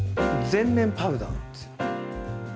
全面パウダーなんですよ。